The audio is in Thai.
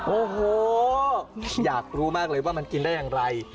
โอ้โหอยากรู้มากเลยว่ามันกินได้อย่างไร